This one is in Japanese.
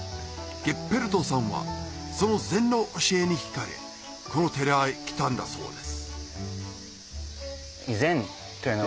ゲッペルトさんはその禅の教えに引かれこの寺へ来たんだそうです